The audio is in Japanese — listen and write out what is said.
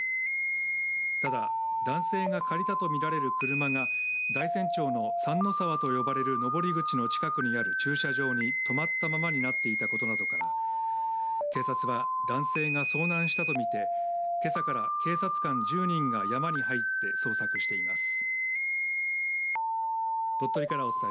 ただ男性が借りたと見られる車が大山町の三ノ沢と呼ばれる登り口近くにある駐車場にとまったままになっていたことなどから警察は男性が遭難したと見てけさから警察官１０人が山に入って捜索しています。